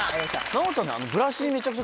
奈央ちゃん。